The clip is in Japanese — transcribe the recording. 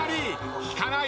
引かない。